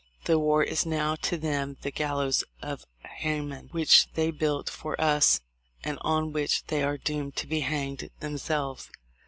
The war is now to them the gallows of Haman, which they built for us and on which they are doomed to be hanged them selves."